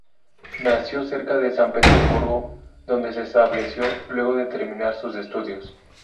Nació cerca de San Petersburgo, donde se estableció luego de terminar sus estudios.